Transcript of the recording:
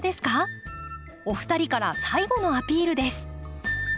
お二人から最後のアピールです。